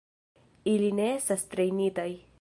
Ili ne estas trejnitaj.